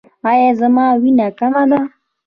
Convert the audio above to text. ایا زما وینه کمه ده؟